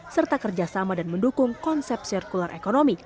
serta kerjasama dan mendukung konsep sirkular ekonomi